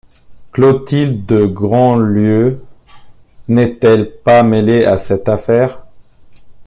Clotilde de Grandlieu n’est-elle pas mêlée à cette affaire?